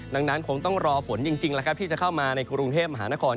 ดังนั้นคงต้องรอฝนจริงแล้วครับที่จะเข้ามาในกรุงเทพมหานคร